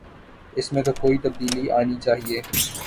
اس میں تو کوئی تبدیلی آنی چاہیے۔